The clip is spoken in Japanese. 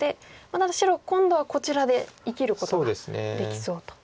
ただ白今度はこちらで生きることができそうと。